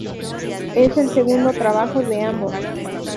Es el segundo trabajo de ambos.